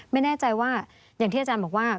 ไม่แน่ใจว่าอย่างที่อาจารย์บอกว่า